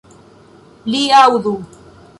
Li aŭdu!